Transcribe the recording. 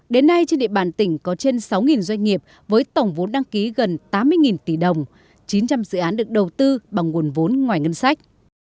đến nay trên địa bàn tỉnh có trên sáu doanh nghiệp với tổng vốn đăng ký gần tám mươi tỷ đồng chín trăm linh dự án được đầu tư bằng nguồn vốn ngoài ngân sách